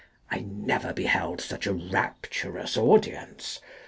I never beheld such a rapturous audience.